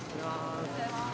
おはようございます。